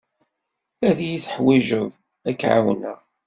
Ad iyi-teḥwijeḍ ad k-ɛawneɣ.